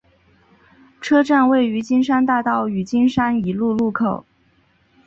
车站位于金山大道与金南一路路口。